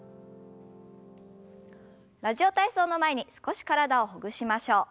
「ラジオ体操」の前に少し体をほぐしましょう。